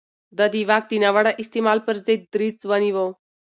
ده د واک د ناوړه استعمال پر ضد دريځ ونيو.